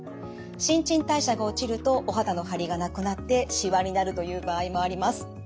新陳代謝が落ちるとお肌の張りがなくなってしわになるという場合もあります。